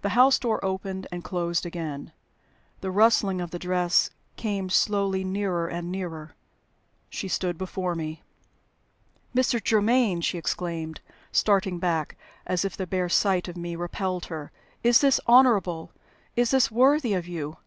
The house door opened and closed again. The rustling of the dress came slowly nearer and nearer. She stood before me. "Mr. Germaine!" she exclaimed, starting back, as if the bare sight of me repelled her. "Is this honorable? Is this worthy of you?